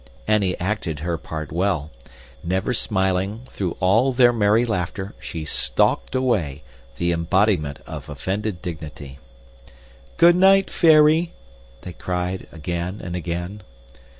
Annie acted her part well. Never smiling, through all their merry laughter, she stalked away, the embodiment of offended dignity. "Good night, fairy!" they cried again and again.